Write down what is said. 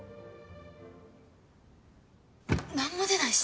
何も出ないし。